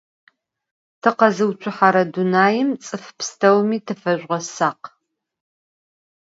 Tıkhezıutsuhere dunaim ts'ıf psteumi tıfezjüğesakh.